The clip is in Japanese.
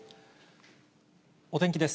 お天気です。